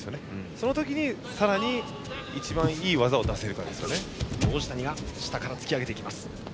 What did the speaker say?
その時に、さらに一番いい技を出せるかです。